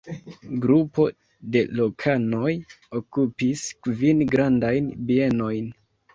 Grupo de lokanoj okupis kvin grandajn bienojn.